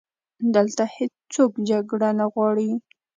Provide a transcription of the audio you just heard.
دلته هیڅوک جګړه نه غواړي